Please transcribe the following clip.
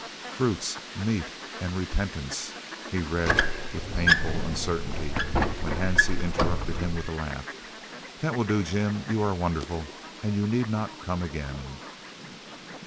"Fruits, meat and repentance," he read with painful uncertainty, when Hansie interrupted him with a laugh: "That will do, Jim; you are wonderful, and you need not come again."